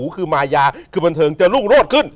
คือมายาคือบันเทิงจะรุ่งโรดขึ้น